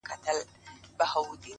ستا د مستۍ په خاطر ـ